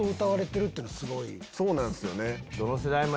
そうなんすよね。